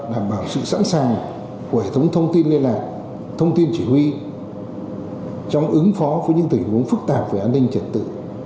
đảm bảo sự sẵn sàng của hệ thống thông tin liên lạc thông tin chỉ huy trong ứng phó với những tình huống phức tạp về an ninh trật tự